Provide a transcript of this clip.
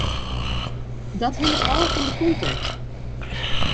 Dat hinget ôf fan de kontekst.